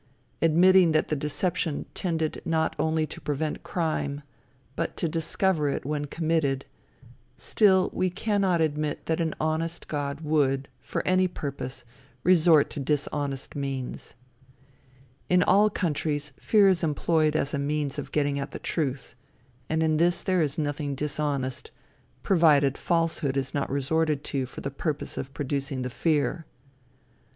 Admitting that the deception tended not only to prevent crime, but to discover it when committed, still, we cannot admit that an honest god would, for any purpose, resort to dishonest means. In all countries fear is employed as a means of getting at the truth, and in this there is nothing dishonest, provided falsehood is not resorted to for the purpose of producing the fear.